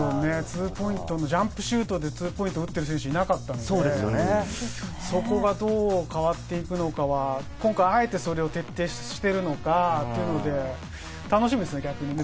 ツーポイントのジャンプシュートでツーポイントを打っている選手はいなかったので、そこがどう変わっていくのかは、今回あえてそれを徹底しているのか、というので楽しみですね、逆にね。